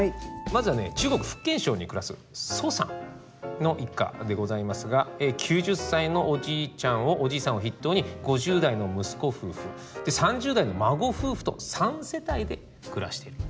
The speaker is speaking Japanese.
まずは中国福建省に暮らす蘇さんの一家でございますが９０歳のおじいさんを筆頭に５０代の息子夫婦３０代の孫夫婦と３世帯で暮らしている。